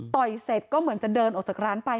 ยเสร็จก็เหมือนจะเดินออกจากร้านไป